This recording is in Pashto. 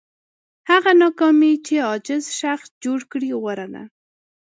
هغه ناکامي چې عاجز شخص جوړ کړي غوره ده.